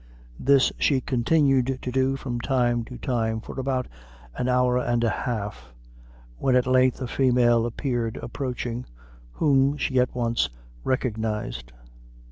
This she continued to do from time to time for about an hour and a half, when at length a female appeared approaching, whom she at once recognized.